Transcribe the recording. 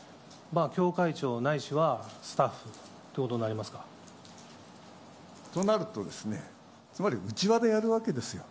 教会長ないしはスタッフといとなるとですね、つまり内輪でやるわけですよ。